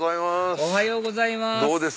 おはようございますどうです？